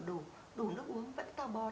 đủ nước uống vẫn tàu bón